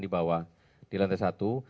di bawah di lantai satu